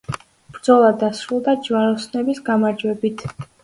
ბრძოლა დასრულდა ჯვაროსნების გამარჯვებით.